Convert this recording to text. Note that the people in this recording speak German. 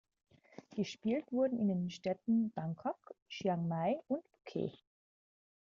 Gespielt wurde in den Städten Bangkok, Chiang Mai und Phuket.